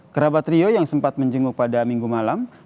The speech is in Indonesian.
kerabat rio yang sempat menjenguk pada minggu malam